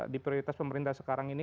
di prioritas pemerintah sekarang ini